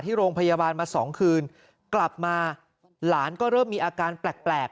ที่โรงพยาบาลมาสองคืนกลับมาหลานก็เริ่มมีอาการแปลก